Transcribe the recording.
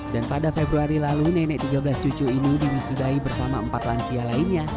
dan pada februari lalu nenek tiga belas cucu ini diwisudai bersama empat lansia lainnya